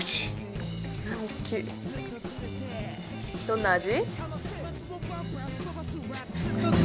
どんな味？